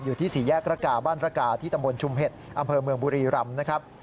อยู่ที่สี่แยกระกาบ้านระกาที่ตำบลชุมเห็ดอำเภอเมืองบุรีรำนะครับ